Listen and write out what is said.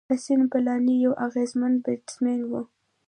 حسېن بلاڼي یو اغېزمن بېټسمېن وو.